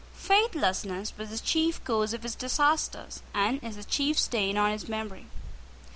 Faithlessness was the chief cause of his disasters, and is the chief stain on his memory.